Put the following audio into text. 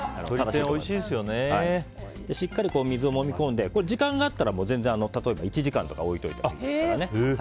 しっかり水をもみ込んで時間があったら全然、例えば１時間とか置いておいてもいいですからね。